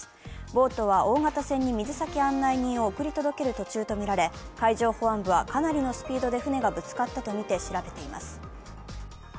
ボートは大型船に水先案内人を送り届ける途中とみられ、海上保安部はかなりのスピードで船がぶつかったとみて調べています。